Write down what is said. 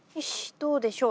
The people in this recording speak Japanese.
どうでしょう？